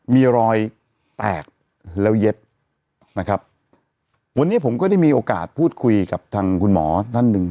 มีรอยแตกแล้วเย็บนะครับวันนี้ผมก็ได้มีโอกาสพูดคุยกับทางคุณหมอท่านหนึ่ง